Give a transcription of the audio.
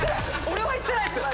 俺は言ってないですよ！